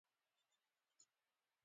دا د برېټانیا له شمالي پولې څخه و